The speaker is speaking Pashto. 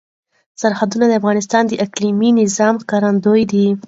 سرحدونه د افغانستان د اقلیمي نظام ښکارندوی ده.